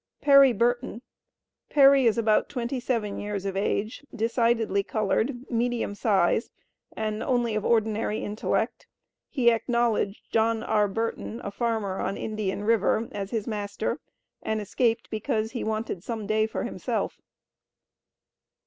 Perry Burton. Perry is about twenty seven years of age, decidedly colored, medium size, and only of ordinary intellect. He acknowledged John R. Burton, a farmer on Indian River, as his master, and escaped because he wanted "some day for himself."